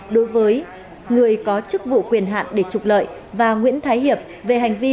đối với người có chức vụ quyền hạn để trục lợi và nguyễn thái hiệp về hành vi